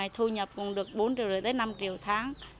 thu nhập cũng được bốn triệu rưỡi tới năm triệu tháng